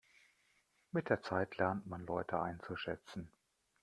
Mit der Zeit lernt man Leute einzuschätzen.